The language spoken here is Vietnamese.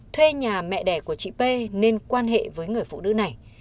thuê nhà mẹ đẻ của chị pê nên quan hệ với anh hát